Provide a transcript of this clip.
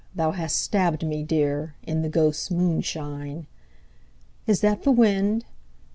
Thou hast stabbed me dear. In the ghosts' moonshine. Is that the wind